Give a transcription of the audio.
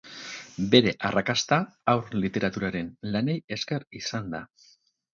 Bere arrakasta haur literaturaren lanei esker izan da.